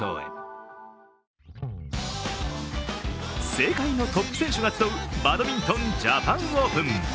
世界のトップ選手が集うバドミントン・ジャパンオープン。